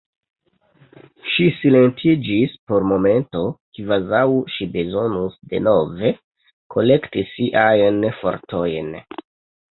Ŝi silentiĝis por momento, kvazaŭ ŝi bezonus denove kolekti siajn fortojn.